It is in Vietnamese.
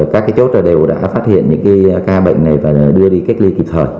các cái chốt đó đều đã phát hiện những cái ca bệnh này và đưa đi cách ly kịp thời